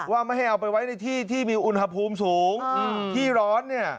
ว่าไม่ให้เอาไปไว้ในที่ที่มีอุณหภูมิสูงที่ร้อนเนี่ย